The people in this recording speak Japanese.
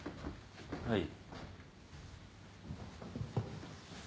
はい。